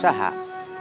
saya juga punya usaha